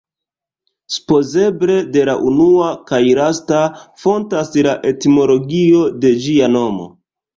Supozeble de la unua kaj lasta fontas la etimologio de ĝia nomo.